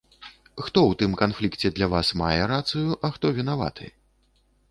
Хто ў тым канфлікце для вас мае рацыю, а хто вінаваты?